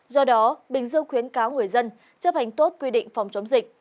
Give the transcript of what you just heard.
do đó bình dương khuyến cáo người dân chấp hành tốt quy định phòng chống dịch